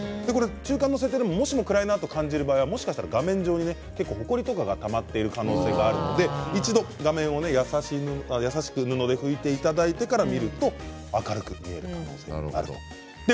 中間の設定で、もしも暗いなと感じる場合は、画面上にほこりとかがたまっている可能性があるので一度画面を優しく布で拭いていただいてから見ると明るく見える可能性があるということです。